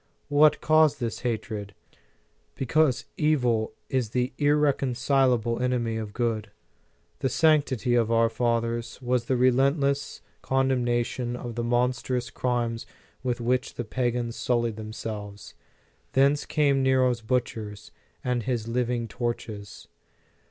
What caused its hatred? Because evil is the irreconcilable enemy of good. The sanctity of our fathers was the relentless condemnation ot the monstrous crimes with which the pagans sullied themselves. Thence came Nero s butchers and his living torches.